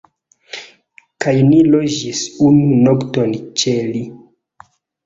Kaj ni loĝis unu nokton ĉe li